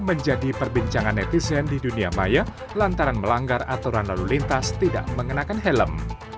menjadi perbincangan netizen di dunia maya lantaran melanggar aturan lalu lintas tidak mengenakan helm